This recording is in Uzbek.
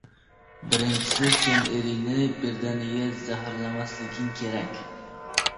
Birinchisi, sen eringni birdaniga zaharlamasliging kerak.